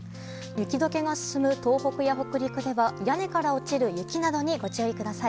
雪解けが進む東北や北陸では屋根から落ちる雪などにご注意ください。